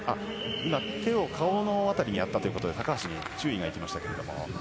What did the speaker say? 今、手を顔のあたりにやったということで高橋に注意が入りました。